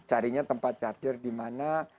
carinya tempat charger di mana